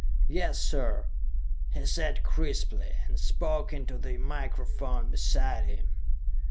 "Yes, sir!" he said crisply, and spoke into the microphone beside him.